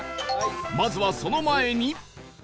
まずはその前に